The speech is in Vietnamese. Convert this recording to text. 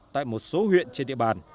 tại một số huyện trên địa bàn